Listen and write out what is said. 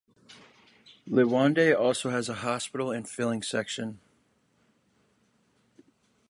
Liwonde also has a hospital and filling station.